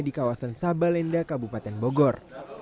di kawasan sabalenda kabupaten bogor